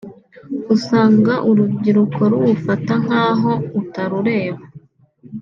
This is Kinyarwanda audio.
usanga urubyiruko ruwufata nk’aho utarureba